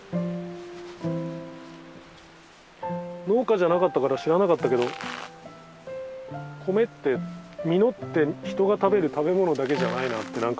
農家じゃなかったから知らなかったけど米って実って人が食べる食べ物だけじゃないなって